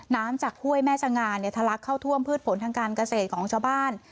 น้ำจากห้วยแม่สง่าเนี่ยทะลักเข้าท่วมพืชผลทางการเกษตรของชาวบ้าน